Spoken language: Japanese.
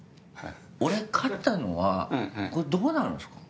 俺勝ったのはどうなるんですか？